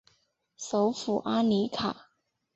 首府阿里卡。